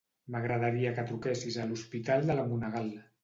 M'agradaria que truquessis a l'Hospital de La Monegal.